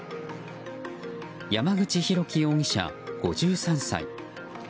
山口博基容疑者、５３歳。